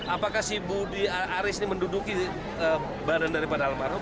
apakah si budi aris ini menduduki badan daripada almarhum